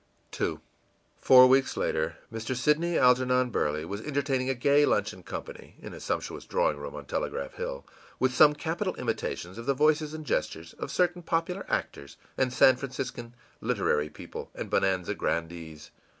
î II Four weeks later Mr. Sidney Algernon Burley was entertaining a gay luncheon company, in a sumptuous drawing room on Telegraph Hill, with some capital imitations of the voices and gestures of certain popular actors and San Franciscan literary people and Bonanza grandees.